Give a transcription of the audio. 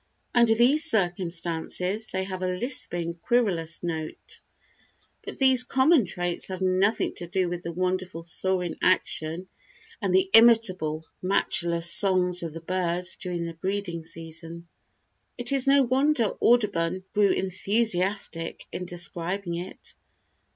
Under these circumstances they have a lisping, querulous note. But these common traits have nothing to do with the wonderful soaring action and the inimitable, matchless song of the birds during the breeding season. It is no wonder Audubon grew enthusiastic in describing it.